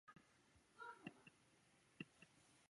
本季球衣改由彪马设计及供应。